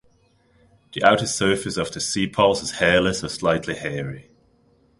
The outer surface of the sepals is hairless or slightly hairy.